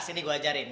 sini gue ajarin